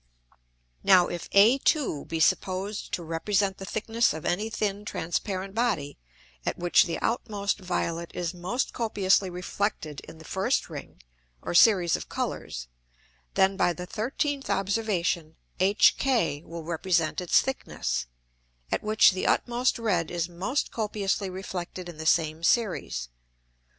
Now, if A2 be supposed to represent the Thickness of any thin transparent Body, at which the outmost Violet is most copiously reflected in the first Ring, or Series of Colours, then by the 13th Observation, HK will represent its Thickness, at which the utmost Red is most copiously reflected in the same Series.